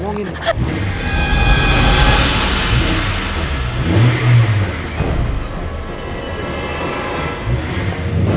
lahir tuh la